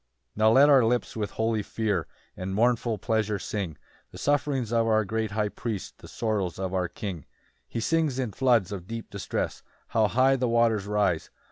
1 Now let our lips with holy fear And mournful pleasure sing The sufferings of our great High Priest, The sorrows of our King. 2 He sinks in floods of deep distress: How high the waters rise!